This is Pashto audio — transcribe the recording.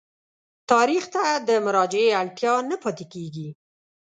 تاریخ ته د مراجعې اړتیا نه پاتېږي.